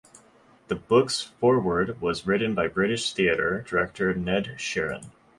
The book's foreword was written by British theatre director Ned Sherrin.